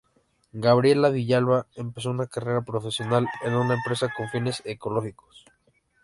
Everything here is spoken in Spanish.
Gabriela Villalba empezó una carrera profesional en una empresa con fines ecológicos.